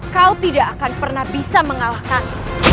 kau tidak akan pernah bisa mengalahkan